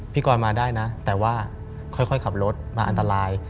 กรมาได้นะแต่ว่าค่อยขับรถมาอันตราย